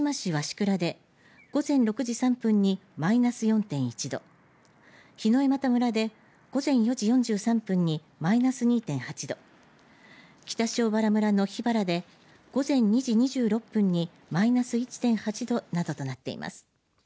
倉で午前６時３分にマイナス４．１度檜枝岐村で午前４時４３分にマイナス２．８度北塩原村の桧原で午前２時２６分にマイナス１．８度などとなっています。